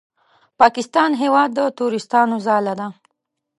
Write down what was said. پاکستان هېواد د تروریستانو ځاله ده!